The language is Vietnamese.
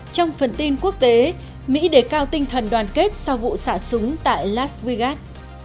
trong phần tin quốc tế mỹ đề cao tinh thần đoàn kết sau vụ xả súng tại las vegas